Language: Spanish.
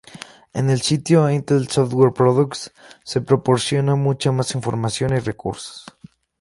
En el sitio Intel Software Products se proporciona mucha más información y recursos.